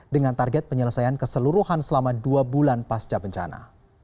dengan target penyelesaian keseluruhan selama dua bulan pasca bencana